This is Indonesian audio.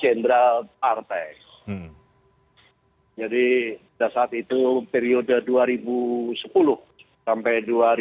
jadi pada saat itu periode dua ribu sepuluh sampai dua ribu lima belas